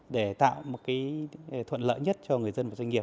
để tạo một thuận lợi nhất cho người dân và doanh nghiệp